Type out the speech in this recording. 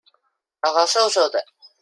高高瘦瘦的